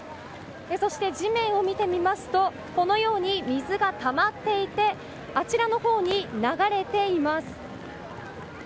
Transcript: そして地面を見てみますと水がたまっていてあちらのほうに流れています。